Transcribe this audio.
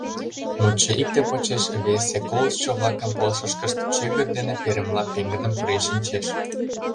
Мутшо икте почеш весе колыштшо-влакын пылышышкышт чӧгыт дене перымыла пеҥгыдын пурен шинчеш.